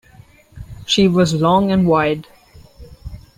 She was long and wide.